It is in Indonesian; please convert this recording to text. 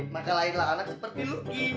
maka lainlah anak seperti lu